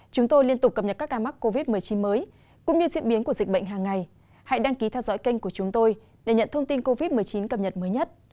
các bạn hãy đăng ký kênh của chúng tôi để nhận thông tin cập nhật mới nhất